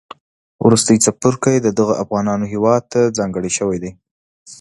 وروستی څپرکی د دغو افغانانو هیواد تهځانګړی شوی دی